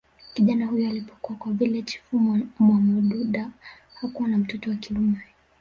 kijana huyo alipokua kwa vile chifu mwamududa hakuwa na mtoto wa kiume